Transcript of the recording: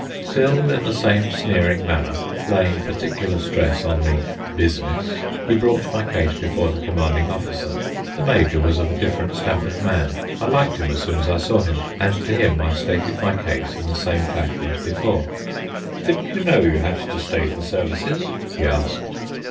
Still in the same sneering manner, laying particular stress on the "business," he brought my case before the commanding officer. The major was of a different stamp of man. I liked him as soon as I saw him, and to him I stated my case in the same fashion as before. "Didn't you know you had to stay for services?" he asked.